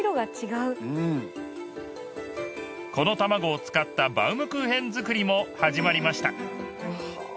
うんこのたまごを使ったバウムクーヘン作りも始まりました